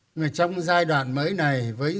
nhưng mà trong giai đoạn mới này với